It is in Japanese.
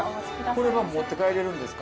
これは持って帰れるんですか？